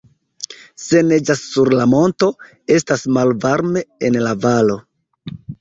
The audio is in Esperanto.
Se neĝas sur la monto, estas malvarme en la valo.